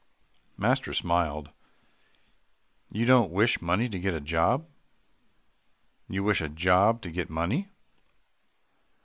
Master smiled. "You don't wish money to get a job you wish a job to get money."